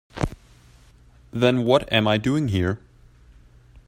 Then what am I doing here?